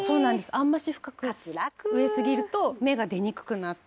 「あんまし深く植えすぎると芽が出にくくなって」